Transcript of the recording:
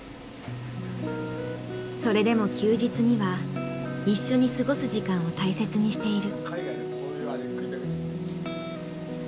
それでも休日には一緒に過ごす時間を大切にしている。